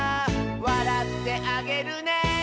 「わらってあげるね」